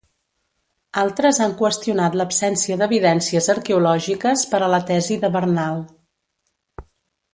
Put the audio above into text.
Altres han qüestionat l'absència d'evidències arqueològiques per a la tesi de Bernal.